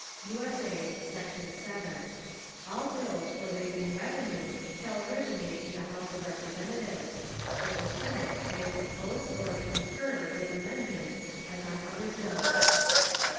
_ [USA] Section 7. All Bills for raising Revenue shall originate in the House of Representatives; but the Senate may propose or concur with Amendments as on other Bills.